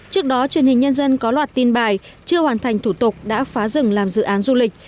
trước đó truyền hình nhân dân có loạt tin bài chưa hoàn thành thủ tục đã phá rừng làm dự án du lịch